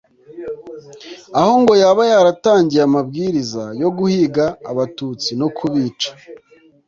aho ngo yaba yaratangiye amabwiriza yo guhiga Abatutsi no kubica